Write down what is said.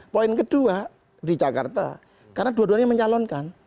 poin kedua di jakarta karena dua duanya mencalonkan